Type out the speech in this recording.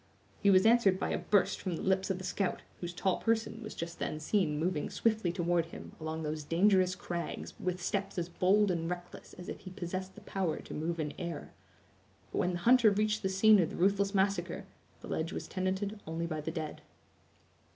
He was answered by a burst from the lips of the scout, whose tall person was just then seen moving swiftly toward him, along those dangerous crags, with steps as bold and reckless as if he possessed the power to move in air. But when the hunter reached the scene of the ruthless massacre, the ledge was tenanted only by the dead.